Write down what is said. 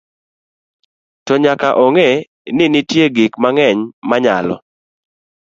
to nyaka ong'e ni nitie gik mang'eny manyalo